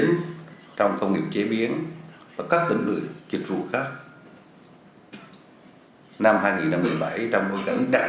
sản xuất trong công nghiệp chế biến và các tỉnh lưỡi kịch vụ khác năm hai nghìn một mươi bảy trong bối cảnh đặc